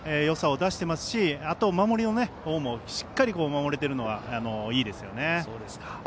よさを出していますし守りのほうもしっかりと守れているのがいいですよね。